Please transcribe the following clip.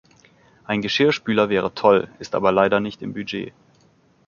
Ein Geschirrspüler wäre toll, ist aber leider nicht im Budget.